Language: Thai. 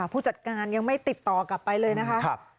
ผู้จัดการยังไม่ติดต่อกลับไปเลยนะคะ